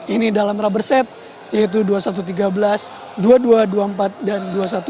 ini dalam rubber set yaitu dua satu ratus tiga belas dua dua ratus dua puluh empat dan dua satu ratus sembilan belas